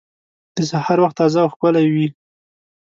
د سهار وخت تازه او ښکلی وي.